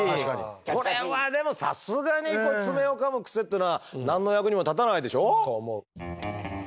これはでもさすがに爪をかむクセってのは何の役にも立たないでしょ？と思う。